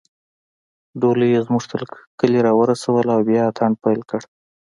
ډولۍ يې زموږ تر کلي راورسوله او بیا يې اتڼ پیل کړ